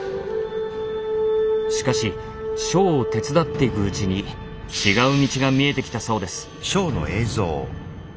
しかしショーを手伝っていくうちに違う道が見えてきたそうです。